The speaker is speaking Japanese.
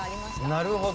なるほど。